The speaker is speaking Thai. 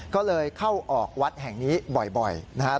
ก็เลยเข้าออกวัดแห่งนี้บ่อยนะครับ